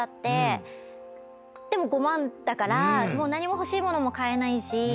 でも５万だから何も欲しいものも買えないし。